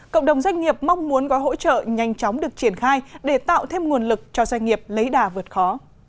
cộng đồng doanh nghiệp mong muốn gói hỗ trợ nhanh chóng được triển khai để tạo thêm nguồn lực cho doanh nghiệp lấy đà vượt khó